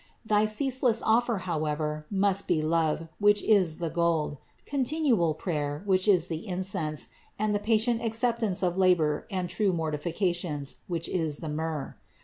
Thy ceaseless offer, however, must be love, which is the gold; continual prayer, which is the incense; and the patient acceptance of labors and true mortifications, which is the myrrh.